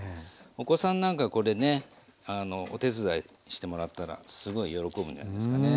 お子さんなんかこれねお手伝いしてもらったらすごい喜ぶんじゃないですかね。